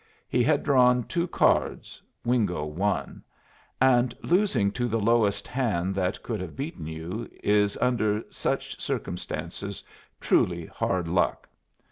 He had drawn two cards, Wingo one; and losing to the lowest hand that could have beaten you is under such circumstances truly hard luck.